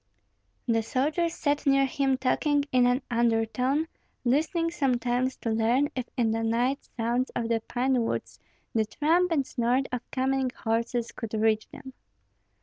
The soldiers sat near him talking in an undertone, listening sometimes to learn if in the night sounds of the pine woods the tramp and snort of coming horses could reach them.